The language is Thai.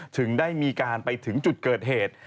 ถึงได้มีการไปถึงจุดเกิดเหตุ